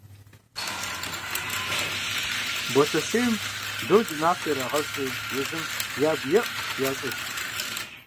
Ботэщейм Дол унафэ ирагъэщӀри езым ягу еӀу ящӀэж.